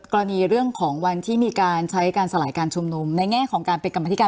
กรณีเรื่องของวันที่มีการใช้การสลายการชุมนุมในแง่ของการเป็นกรรมธิการ